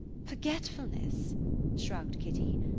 "Forgetfulness," shrugged Kitty.